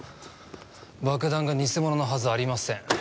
爆弾が偽物のはずありません。